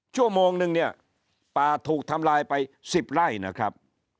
ชั่วโมงนึงเนี่ยป่าถูกทำลายไป๑๐ไร่นะครับ